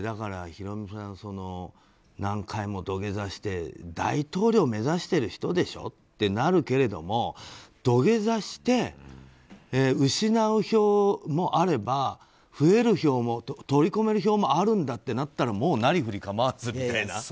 ヒロミさん、何回も土下座して大統領を目指している人でしょってなるけれども土下座して、失う票もあれば取り込める票もあるんだとなったらもう、なりふり構わずみたいな。